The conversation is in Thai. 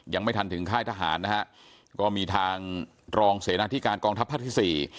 ยังไม่ทันถึงค่ายทหารนะฮะก็มีทางรองเสนาธิการกองทัพภาคที่สี่